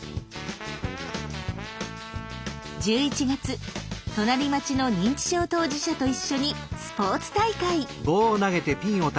１１月隣町の認知症当事者と一緒にスポーツ大会！